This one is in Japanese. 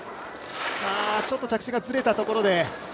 ちょっと着地がずれたところで。